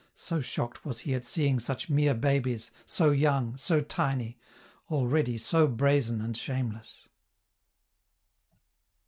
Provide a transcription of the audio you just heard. so shocked was he at seeing such mere babies, so young, so tiny, already so brazen and shameless.